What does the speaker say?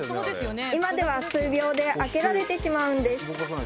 今では数秒で開けられてしまうんです